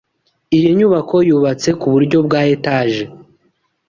Iyi nyubako yubatse ku buryo bwa Etage